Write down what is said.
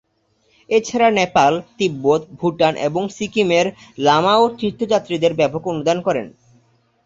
এছাড়া নেপাল, তিব্বত, ভুটান এবং সিকিমের লামা ও তীর্থযাত্রীদের ব্যাপক অনুদান করেন।